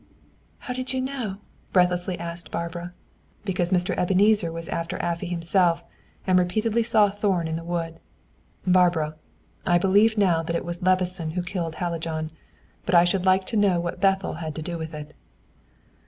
"How did you know?" breathlessly asked Barbara. "Because Mr. Ebenezer was after Afy himself, and repeatedly saw Thorn in the wood. Barbara, I believe now that it was Levison who killed Hallijohn, but I should like to know what Bethel had to do with it."